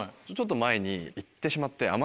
ちょっと前に行ってしまって。